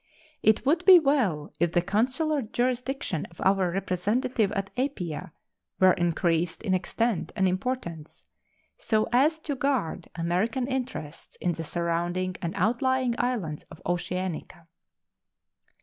It would be well if the consular jurisdiction of our representative at Apia were increased in extent and importance so as to guard American interests in the surrounding and outlying islands of Oceanica.